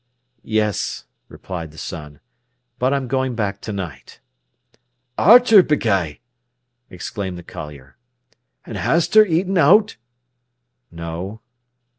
"Yes," replied the son. "But I'm going back to night." "Are ter, beguy!" exclaimed the collier. "An' has ter eaten owt?" "No."